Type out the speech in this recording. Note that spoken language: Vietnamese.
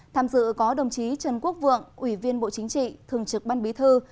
tham dự có đồng chí trần quốc vượng ủy viên bộ chính trị thường trực ban bí thư